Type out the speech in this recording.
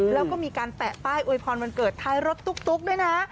แล้วก็มีการแปะป้ายอวยพรวันเกิดท้ายรถตุ๊กด้วยนะ